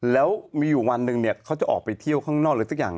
แล้วมีอยู่วันหนึ่งเขาจะออกไปเที่ยวข้างนอกหรือสักอย่าง